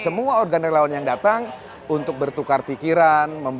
semua organ relawan yang datang untuk bertukar pikiran